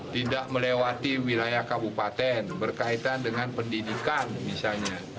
tidak melewati wilayah kabupaten berkaitan dengan pendidikan misalnya